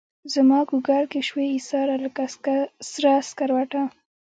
زماګوګل کي شوې ایساره لکه سره سکروټه